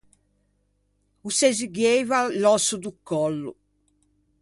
O se zughieiva l’òsso do còllo.